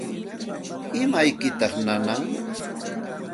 ¿Imaykitaq nanan?